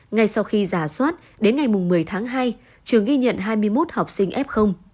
ngay sau khi giả soát đến ngày một mươi tháng hai trường ghi nhận hai mươi một học sinh f